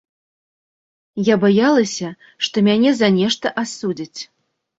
Я баялася, што мяне за нешта асудзяць.